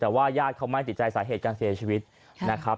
แต่ว่าญาติเขาไม่ติดใจสาเหตุการเสียชีวิตนะครับ